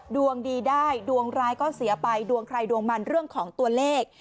ดวงดีได้ดวงร้ายก็เสียไปดวงใครดวงมันเรื่องของตัวเลข